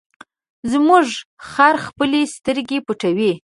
زموږ خر خپلې سترګې پټوي.